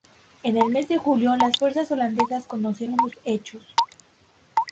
En el mes de julio las fuerzas holandesas conocieron los hechos.